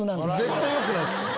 絶対よくないです。